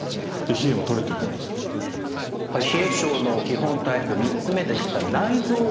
冷え症の基本タイプ３つ目でした内臓型。